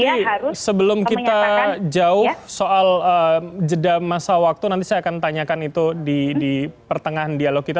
tapi sebelum kita jauh soal jeda masa waktu nanti saya akan tanyakan itu di pertengahan dialog kita